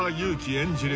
演じる